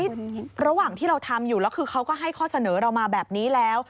ทีนี้ระหว่างที่เราทำอยู่เขาก็ให้ข้อเสนอเรามาแบบนี้แล้ว